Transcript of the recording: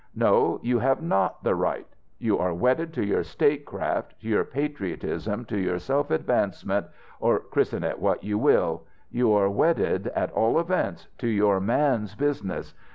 "No, you have not the right. You are wedded to your state craft, to your patriotism, to your self advancement, or christen it what you will. You are wedded, at all events, to your man's business.